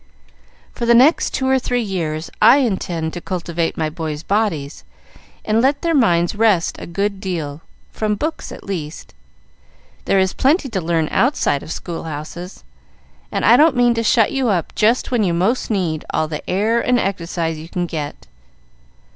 "For the next two or three years I intend to cultivate my boys' bodies, and let their minds rest a good deal, from books at least. There is plenty to learn outside of school houses, and I don't mean to shut you up just when you most need all the air and exercise you can get.